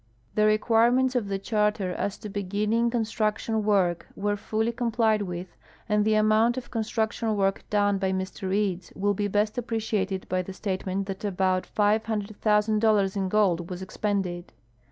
The requirements of the charter as to beginning con struction work were fully complied with, and the amount of con struction work done l)y Mr Eads will he best appreciated by the statement that about $500,000 in gold was exi)ended.